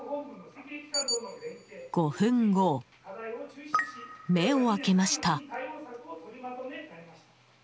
５分後、目を開けました。